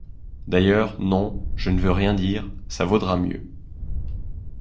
D’ailleurs, non, je ne veux rien dire, ça vaudra mieux.